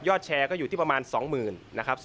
แชร์ก็อยู่ที่ประมาณ๒๐๐๐นะครับ